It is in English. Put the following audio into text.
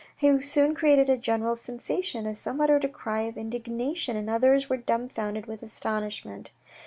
He soon created a general sensation, as some uttered a cry of indignation, and others were dumbfounded with astonishment.